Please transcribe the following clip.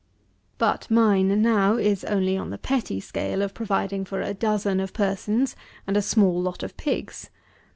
95. But mine now is only on the petty scale of providing for a dozen of persons and a small lot of pigs.